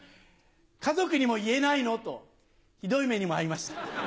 家族にも言えないの？と、ひどい目にも遭いました。